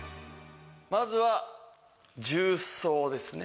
まずは重曹ですね。